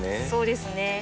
そうですね。